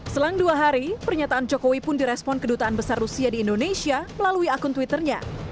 selang dua hari pernyataan jokowi pun direspon kedutaan besar rusia di indonesia melalui akun twitternya